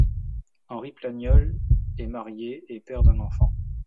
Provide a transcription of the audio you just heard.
Henri Plagnol est marié et père d'un enfant.